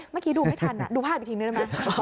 เมื่อกี้ดูไม่ทันดูผ้าไปทิ้งได้ไหม